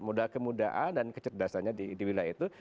modal kemudahan dan kecerdasannya di wilayah itu